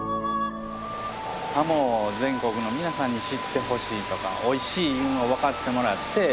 ハモを全国の皆さんに知ってほしいとかおいしいというのをわかってもらって。